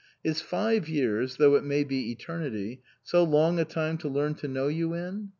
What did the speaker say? Is five years, though it may be eternity, so long a time to learn to know you in